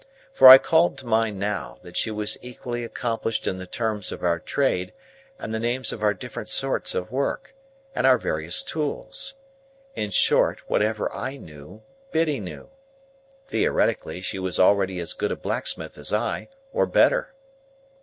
For I called to mind now, that she was equally accomplished in the terms of our trade, and the names of our different sorts of work, and our various tools. In short, whatever I knew, Biddy knew. Theoretically, she was already as good a blacksmith as I, or better.